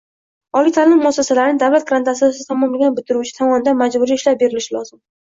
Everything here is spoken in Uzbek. Oliy ta’lim muassassasini davlat granti asosida tamomlagan bitiruvchi tomonidan majburiy ishlab berilishi lozim